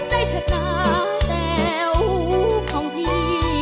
เห็นใจเถิดนะแต้วของพี่